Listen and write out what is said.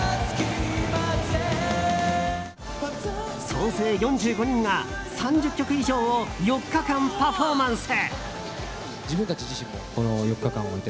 総勢４５人が３０曲以上を４日間パフォーマンス。